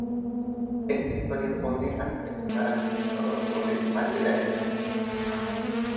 Esta historia pone a reflexionar al espectador sobre el mal de la intolerancia.